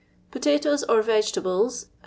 Potatoes or Ve geUbles (kd.